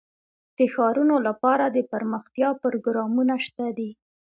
د ښارونو لپاره دپرمختیا پروګرامونه شته دي.